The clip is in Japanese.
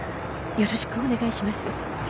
よろしくお願いします。